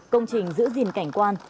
công trình giữ gìn cảnh quan